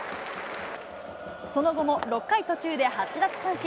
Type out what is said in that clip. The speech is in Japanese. その後も６回途中で８奪三振。